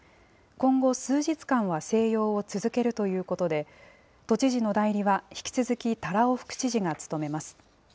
今後、数日間は静養を続けるということで、都知事の代理は引き続き多羅尾副知事が務めます。